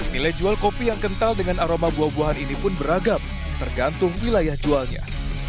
nilai jual kopi yang kental dengan aroma buah buahan ini pun beragam tergantung wilayah jualnya